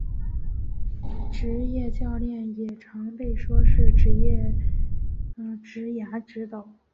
职涯教练也常被说是职涯指导。